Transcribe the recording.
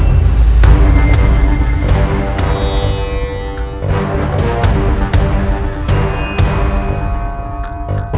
kita bisa mulai menemukan rabu rabu